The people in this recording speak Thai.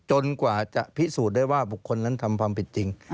กว่าจะพิสูจน์ได้ว่าบุคคลนั้นทำความผิดจริง